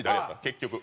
結局。